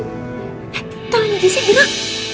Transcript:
eh tangannya jesse gerak